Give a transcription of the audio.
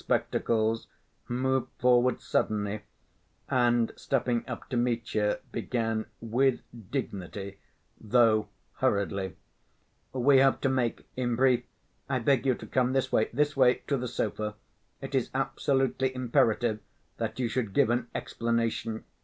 The young man in spectacles moved forward suddenly, and stepping up to Mitya, began with dignity, though hurriedly: "We have to make ... in brief, I beg you to come this way, this way to the sofa.... It is absolutely imperative that you should give an explanation."